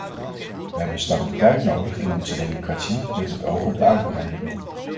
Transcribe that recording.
We hebben stabiliteit nodig in onze democratie met het oog op de uitbreiding.